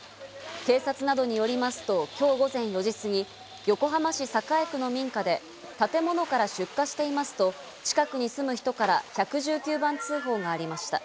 警察などによりますと今日午前４時過ぎ、横浜市栄区の民家で、建物から出火していますと近くに住む人から１１９番通報がありました。